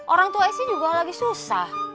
orang tua sc juga lagi susah